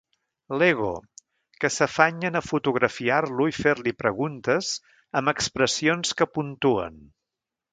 L'Ego, que s'afanyen a fotografiar-lo i fer-li preguntes amb expressions que puntuen.